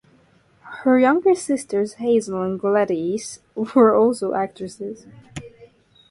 Her younger sisters Hazel and Gladys were also actresses.